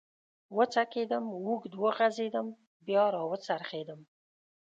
و څکېدم، اوږد وغځېدم، بیا را و څرخېدم.